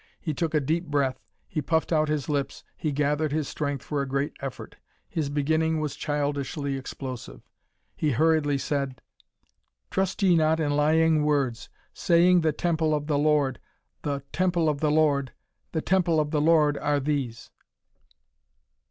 He took a deep breath, he puffed out his lips, he gathered his strength for a great effort. His beginning was childishly explosive. He hurriedly said: "_Trust ye not in lying words, saying The temple of the Lord, the temple of the Lord, the temple of the Lord, are these.